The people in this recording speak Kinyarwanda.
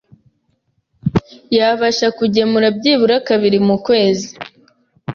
yabasha kugemura byibura kabiri mu kwezi